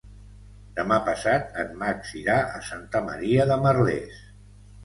Demà passat en Max irà a Santa Maria de Merlès.